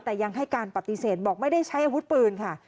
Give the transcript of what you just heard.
แต่ยังให้การปฏิเสธบอกไม่ได้ใช้อาวุธปืนค่ะ